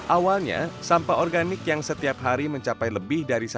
awalnya sampah organik yang setiap hari mencapai lebih dari satu meter